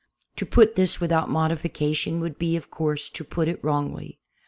To put this without modi fication would be, of course, to put it wrongly.